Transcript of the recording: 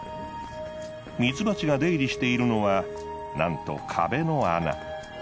ミツバチが出入りしているのはなんと壁の穴。